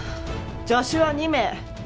助手は２名。